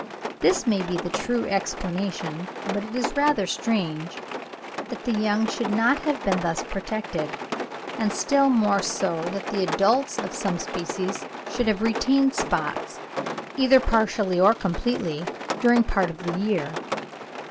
This may be the true explanation, but it is rather strange that the young should not have been thus protected, and still more so that the adults of some species should have retained their spots, either partially or completely, during part of the year.